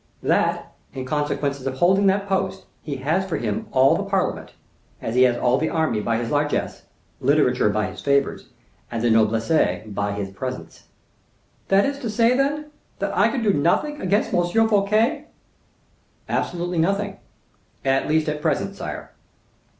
"That, in consequence of holding that post, he has for him all the parliament, as he has all the army by his largesses, literature by his favors, and the noblesse by his presents." "That is to say, then, that I can do nothing against M. Fouquet?" "Absolutely nothing,—at least at present, sire."